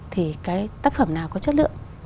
thì cái tác phẩm nào có chất lượng